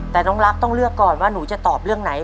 แต่น้องรักต้องเลือกก่อนว่าหนูจะตอบเรื่องไหน